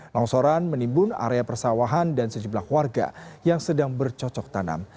longsoran menimbun area persawahan dan sejumlah warga yang sedang bercocok tanam